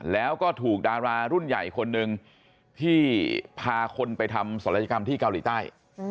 แล้วก็ถูกดารารุ่นใหญ่คนหนึ่งที่พาคนไปทำศัลยกรรมที่เกาหลีใต้